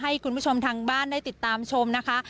ให้คุณผู้ชมทางบ้านได้ติดตามชมนะคะ